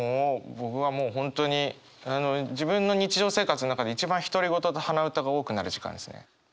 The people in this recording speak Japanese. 僕はもう本当に自分の日常生活の中で一番独り言と鼻歌が多くなる時間ですね。